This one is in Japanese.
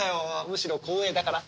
むしろ光栄だから。